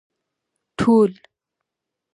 ټول